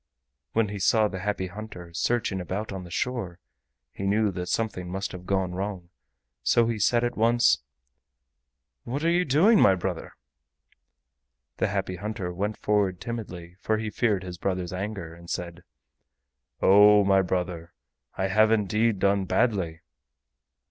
When he saw the Happy Hunter searching about on the shore he knew that something must have gone wrong, so he said at once: "What are you doing, my brother?" The Happy Hunter went forward timidly, for he feared his brother's anger, and said: "Oh, my brother, I have indeed done badly."